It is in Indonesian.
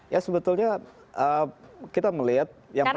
ya sebetulnya kita melihat yang pertama